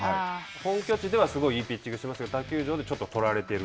本拠地では、すごいいいピッチングをしますけど、他球場でちょっと取られている。